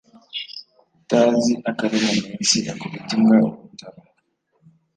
Utazi akari muminsi akubita imbwa urutaro